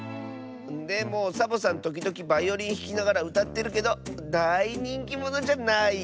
でもサボさんときどきバイオリンひきながらうたってるけどだいにんきものじゃないよ。